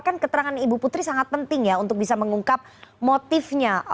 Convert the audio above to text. kan keterangan ibu putri sangat penting ya untuk bisa mengungkap motifnya